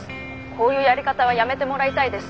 こういうやり方はやめてもらいたいです。